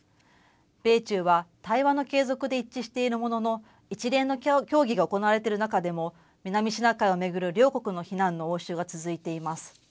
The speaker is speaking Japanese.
米中は対話の継続で一致しているものの、一連の協議が行われてる中でも、南シナ海を巡る両国の非難の応酬が続いています。